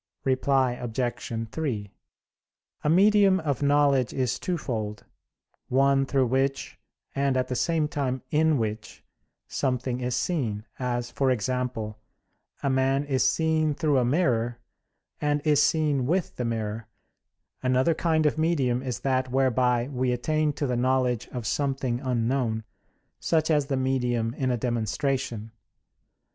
Reply Obj. 3: A medium (of knowledge) is twofold; one through which, and, at the same time, in which, something is seen, as, for example, a man is seen through a mirror, and is seen with the mirror: another kind of medium is that whereby we attain to the knowledge of something unknown; such as the medium in a demonstration.